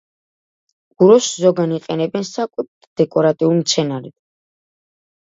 უროს ზოგან იყენებენ საკვებ და დეკორატიულ მცენარედ.